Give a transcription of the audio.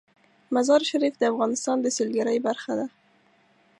مزارشریف د افغانستان د سیلګرۍ برخه ده.